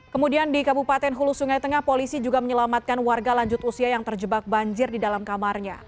kemudian di kabupaten hulu sungai tengah polisi juga menyelamatkan warga lanjut usia yang terjebak banjir di dalam kamarnya